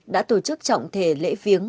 đã tổ chức trọng thể lễ viếng